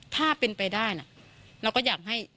ถ้าเป็นไปได้นะเราก็อยากให้